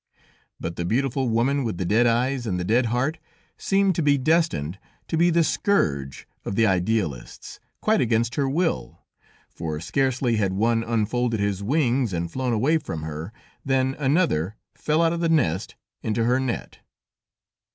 But the beautiful woman with the dead eyes and the dead heart seemed to be destined to be the scourge of the Idealists, quite against her will, for scarcely had one unfolded his wings and flown away from her, than another fell out of the nest into her net.